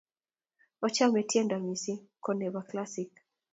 Ochome tiendo missing ko nebo classical